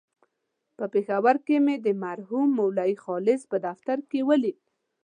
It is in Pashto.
په پېښور کې مې د مرحوم مولوي خالص په دفتر کې ولید.